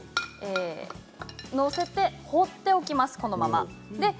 載せて放っておきます、このまま。